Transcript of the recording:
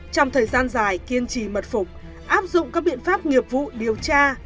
trong thời gian dài kiên trì mật phục áp dụng các biện pháp nghiệp vụ điều tra